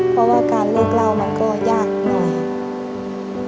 เพราะว่าการเลิกเล่ามันก็ยากหน่อย